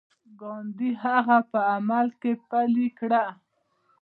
ګاندي هغه په عمل کې پلي کړه.